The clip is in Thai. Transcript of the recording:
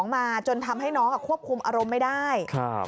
มาจนทำให้น้องอ่ะควบคุมอารมณ์ไม่ได้